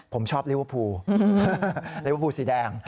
ผมชอบเลวภูเลวภูสีแดง